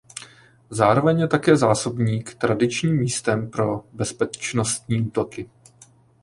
Zároveň je také zásobník tradičním místem pro bezpečnostní útoky.